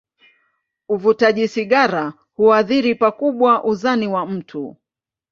Uvutaji sigara huathiri pakubwa uzani wa mtu.